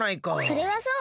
それはそう！